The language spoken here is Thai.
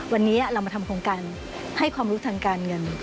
วันนี้เรามาทำโครงการให้ความรู้ทางการเงิน